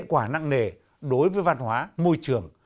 quả nặng nề đối với văn hóa môi trường